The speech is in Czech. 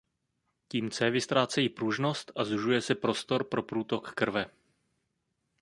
Tím cévy ztrácejí pružnost a zužuje se prostor pro průtok krve.